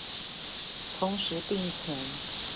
同時並存